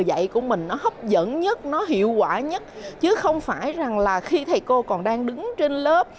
dạy của mình nó hấp dẫn nhất nó hiệu quả nhất chứ không phải rằng là khi thầy cô còn đang đứng trên lớp